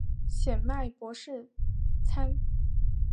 显脉柏氏参